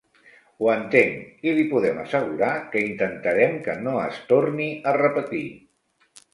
Ho entenc i li podem assegurar que intentarem que no es torni a repetir.